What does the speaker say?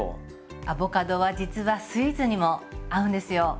アボカドは実はスイーツにも合うんですよ！